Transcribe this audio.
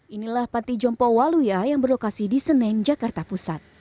inilah panti jompo waluya yang berlokasi di senen jakarta pusat